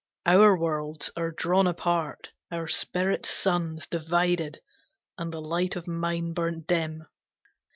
Our worlds are drawn apart, our spirit's suns Divided, and the light of mine burnt dim.